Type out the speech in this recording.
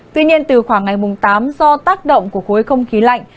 tuy nhiên từ khoảng ngày tám do tác động của khối không khí lạnh